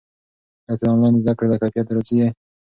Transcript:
ایا ته د آنلاین زده کړې له کیفیت راضي یې؟